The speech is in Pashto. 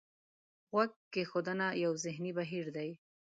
غوږ کېښودنه یو ذهني بهیر دی.